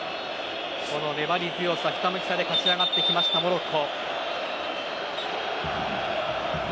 粘り強さ、ひたむきさで勝ち上がってきたモロッコ。